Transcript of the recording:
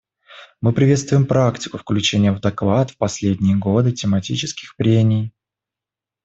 Мы приветствуем практику включения в доклад в последние годы тематических прений.